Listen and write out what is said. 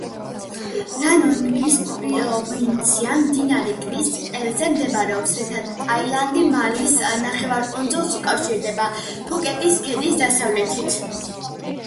რანონგის პროვინცია მდინარე კრის ყელზე მდებარობს, რითაც ტაილანდი მალაის ნახევარკუნძულს უკავშირდება, ფუკეტის ქედის დასავლეთით.